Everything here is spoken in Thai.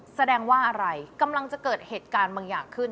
แสดงว่าอะไรกำลังจะเกิดเหตุการณ์บางอย่างขึ้น